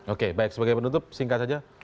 oke baik sebagai penutup singkat saja